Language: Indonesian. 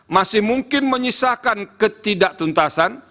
masih mungkin menyisakan ketidaktuntasan